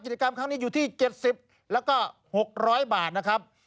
กิจกรรมครั้งนี้อยู่ที่๗๐แล้วก็๖๐๐บาทนะครับ